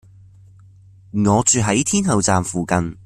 我住喺天后站附近